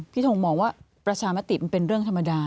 ทงมองว่าประชามติมันเป็นเรื่องธรรมดา